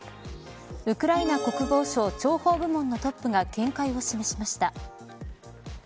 ウクライナ国防省諜報部門のトップが見解を示しました。